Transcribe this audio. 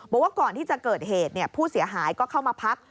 พอที่จะเกิดเหตุผู้เสียหายก็เข้ามาพัก